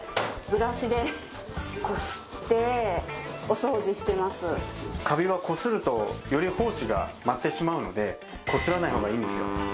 矢作さんはカビはこするとより胞子が舞ってしまうのでこすらない方がいいんですよ。